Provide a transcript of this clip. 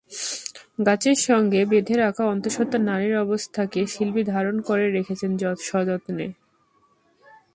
গাছের সঙ্গে বেঁধে রাখা অন্তঃসত্ত্বা নারীর অবস্থাকে শিল্পী ধারণ করে রেখেছেন সযত্নে।